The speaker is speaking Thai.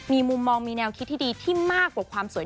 มีมุมมองมีแนวคิดที่ดีที่มากกว่าความสวย